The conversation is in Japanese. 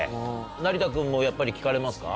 成田君もやっぱり聴かれますか？